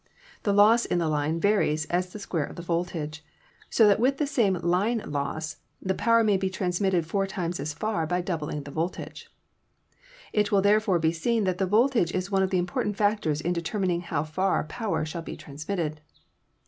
The loss in the line varies as the square of the voltage, so that with the same line loss the power may be transmitted four times as far by doubling the voltage. It will therefore be seen that the voltage is one of the important factors in determining how far power shall be transmitted.